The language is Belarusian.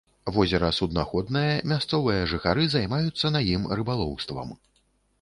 Возера суднаходнае, мясцовыя жыхары займаюцца на ім рыбалоўствам.